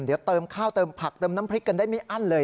เดี๋ยวเติมข้าวเติมผักเติมน้ำพริกกันได้ไม่อั้นเลย